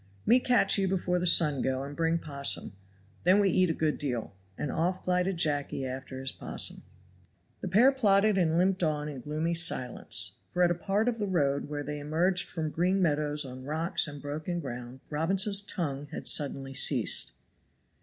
"Me catch you before the sun go, and bring opossum then we eat a good deal." And off glided Jacky after his opossum. The pair plodded and limped on in gloomy silence, for at a part of the road where they emerged from green meadows on rocks and broken ground Robinson's tongue had suddenly ceased.